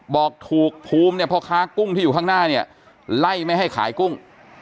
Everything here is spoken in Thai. บอกถูกภูมิเนี่ยพ่อค้ากุ้งที่อยู่ข้างหน้าเนี่ยไล่ไม่ให้ขายกุ้ง